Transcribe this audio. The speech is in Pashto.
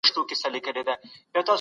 يو زده کوونکی په پښتو ژبي کي درس لولي.